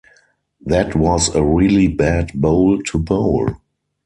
That was a really bad bowl to bowl.